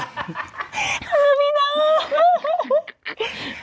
คือมีน้อง